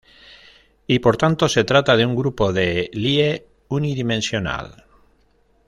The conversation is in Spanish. Y por tanto se trata de un grupo de Lie unidimensional.